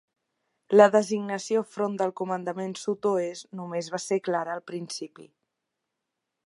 La designació "front del comandament sud-oest" només va ser clara al principi.